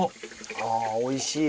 あおいしい。